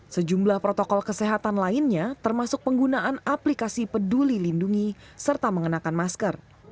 sejumlah protokol kesehatan lainnya termasuk penggunaan aplikasi peduli lindungi serta mengenakan masker